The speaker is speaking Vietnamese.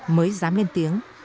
mới dám lên tiếng